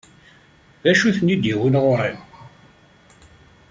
D acu ay ten-id-yewwin ɣer-i?